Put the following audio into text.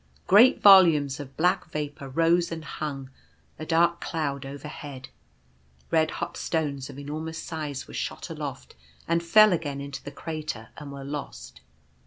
Great volumes of black vapour rose and hung, a dark cloud, overhead. Red hot stones of enormous size were shot aloft and fell again into the crater, and were lost.